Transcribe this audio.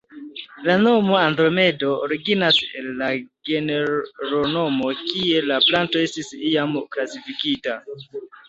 La nomo "andromedo" originas el la genronomo, kie la planto estis iam klasifikita.